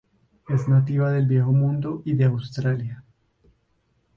Es nativa del Viejo Mundo y de Australia.